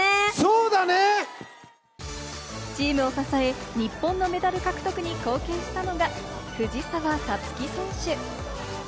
チームを支え、日本のメダル獲得に貢献したのが藤澤五月選手。